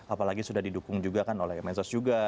apalagi sudah didukung juga kan oleh mensos juga